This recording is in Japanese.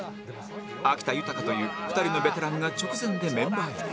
秋田豊という２人のベテランが直前でメンバー入り